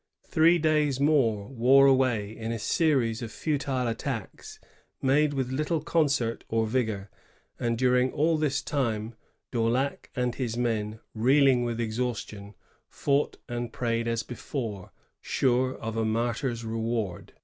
Three days more wore away in a series of futile attacks, made with little concert or vigor ; and during all this time Daulac and his men, reeling with exhaustion, fought and prayed as before, sure of a martyr's reward.